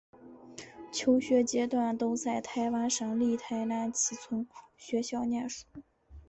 求学阶段都在台湾省立台南启聪学校念书。